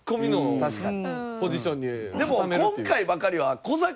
確かに。